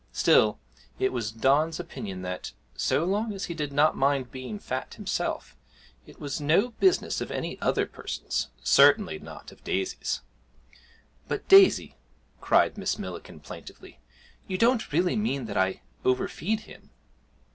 Still, it was Don's opinion that, so long as he did not mind being fat himself, it was no business of any other person's certainly not of Daisy's. 'But, Daisy,' cried Miss Millikin plaintively, 'you don't really mean that I overfeed him?'